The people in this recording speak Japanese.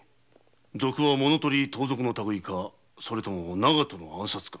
賊は物盗り盗賊のたぐいかそれとも長門の暗殺か？